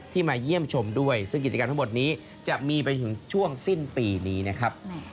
มาเยี่ยมชมด้วยซึ่งกิจกรรมทั้งหมดนี้จะมีไปถึงช่วงสิ้นปีนี้นะครับ